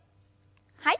はい。